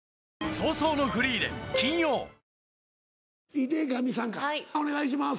井手上さんかお願いします。